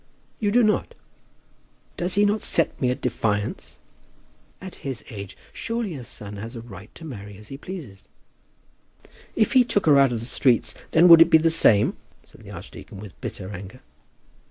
"You do not? Does he not set me at defiance?" "At his age surely a son has a right to marry as he pleases." "If he took her out of the streets, then it would be the same?" said the archdeacon with bitter anger.